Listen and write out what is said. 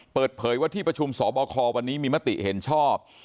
เปิดเผยว่าที่ประชุมสบควันนี้มีมติเห็นชอบ